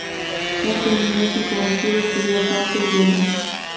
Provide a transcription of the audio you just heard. En su niñez y juventud, estudió canto y violín.